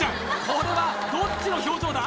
これはどっちの表情だ？